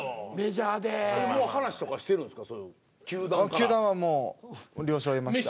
球団はもう了承を得ました。